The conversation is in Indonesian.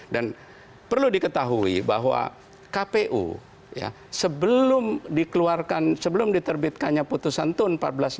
dan perlu diketahui bahwa kpu sebelum dikeluarkan sebelum diterbitkannya putusan tun